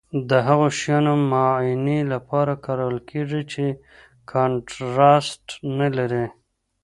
د هغو شیانو معاینې لپاره کارول کیږي چې کانټراسټ نه لري.